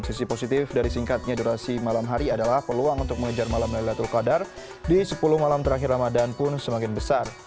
sisi positif dari singkatnya durasi malam hari adalah peluang untuk mengejar malam laylatul qadar di sepuluh malam terakhir ramadan pun semakin besar